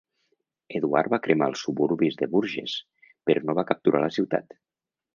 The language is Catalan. Eduard va cremar els suburbis de Bourges, però no va capturar la ciutat.